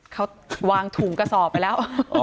เขาวางถุงกระสอบไปแล้ว